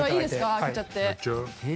開けちゃって。